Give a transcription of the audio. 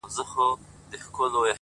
o نو دغه نوري شپې بيا څه وكړمه ـ